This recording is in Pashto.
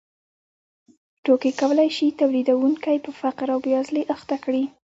توکي کولای شي تولیدونکی په فقر او بېوزلۍ اخته کړي